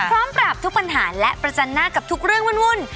พร้อมปรับทุกปัญหาและประจันหน้ากับทุกเรื่องวุ่น